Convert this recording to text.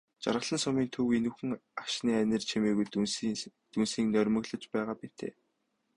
Жаргалан сумын төв энүүхэн агшны анир чимээгүйд дүнсийн нойрмоглож байгаа мэтээ.